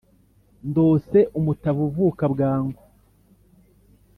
Ndose umutavu uvuka bwangu.